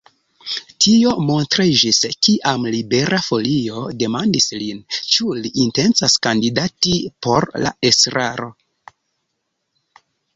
Tio montriĝis, kiam Libera Folio demandis lin, ĉu li intencas kandidati por la estraro.